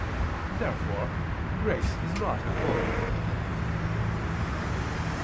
Therefore grace is not a quality.